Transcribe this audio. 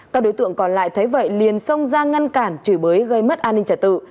các đối tượng còn lại thấy vậy liền xông ra ngăn cản chửi bới gây mất an ninh trả tự